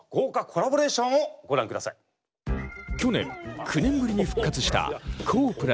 去年９年ぶりに復活したＫＯＨ。